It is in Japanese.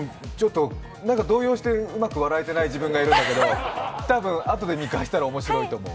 なんか動揺してうまく笑えてない自分がいるんですけど多分、あとで見返したら面白いと思う。